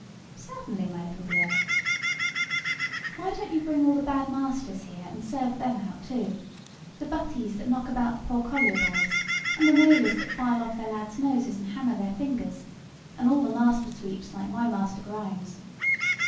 "Certainly, my little dear." "Why don't you bring all the bad masters here and serve them out too? The butties that knock about the poor collier boys; and the nailers that file off their lads' noses and hammer their fingers; and all the master sweeps, like my master Grimes?